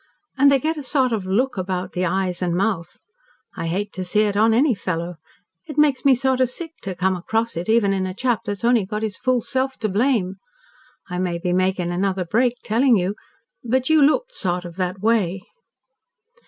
And they get a sort of look about the eyes and mouth. I hate to see it on any fellow. It makes me sort of sick to come across it even in a chap that's only got his fool self to blame. I may be making another break, telling you but you looked sort of that way."